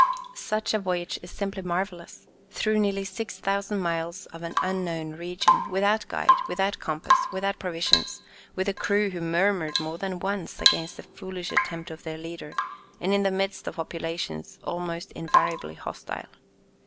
Such a voyage is simply marvellous, through nearly 6000 miles of an unknown region, without guide, without compass, without provisions, with a crew who murmured more than once against the foolish attempt of their leader, and in the midst of populations almost invariably hostile.